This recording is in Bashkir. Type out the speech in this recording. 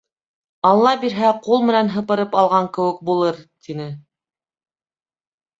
Алла бирһә, ҡул менән һыпырып алған кеүек булыр, тине.